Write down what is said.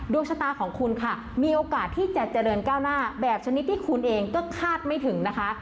ดวงชะตาของคุณค่ะมีโอกาสที่จะเจริญก้าวหน้าแบบชนิดที่คุณเองก็คาดไม่ถึงนะคะ